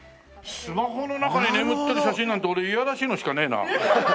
スマホの中に眠ってる写真なんて俺いやらしいのしかねえな。